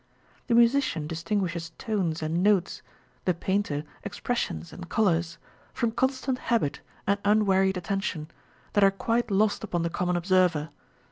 The musician distinguishes tones and notes, the painter expres sions and colours, from constant habit and unwearied attention, that are quite lost upon the common observer.